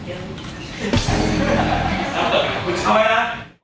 อ่าวเปล่าหัวช้วยนะ